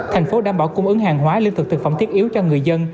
thành phố đảm bảo cung ứng hàng hóa lương thực thực phẩm thiết yếu cho người dân